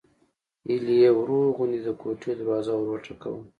هيلې يې ورو غوندې د کوټې دروازه وروټکوله